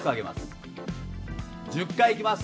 １０回いきます